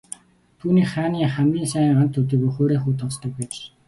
Түүнийг хааны хамгийн сайн анд төдийгүй хуурай хүүд тооцдог байж.